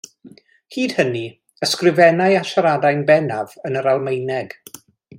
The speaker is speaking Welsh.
Hyd hynny, ysgrifennai a siaradai'n bennaf yn yr Almaeneg.